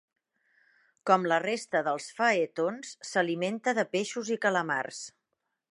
Com la resta dels faetons, s'alimenta de peixos i calamars.